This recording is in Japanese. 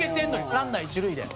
ランナー一塁で。